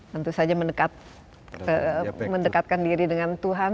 tentu saja mendekatkan diri dengan tuhan